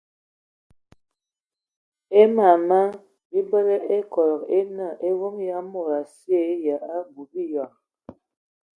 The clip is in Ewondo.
Aməmama bibələ ekodog e nə evom ya mod asye ya abui biyɔŋ.